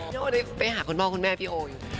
พี่โนกได้ไปหาคนบ้านคนแม่พี่โออยู่